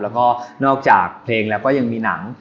แล้วก็นอกจากเพลงแล้วก็ยังมีหนัง